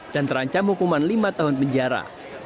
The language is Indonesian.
dan terancam hukuman lima tahun penjara